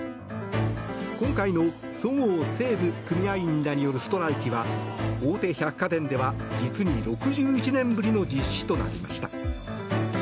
今回のそごう・西武組合員らによるストライキは大手百貨店では実に６１年ぶりの実施となりました。